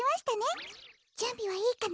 じゅんびはいいかな？